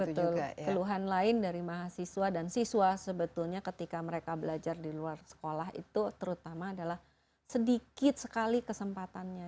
betul keluhan lain dari mahasiswa dan siswa sebetulnya ketika mereka belajar di luar sekolah itu terutama adalah sedikit sekali kesempatannya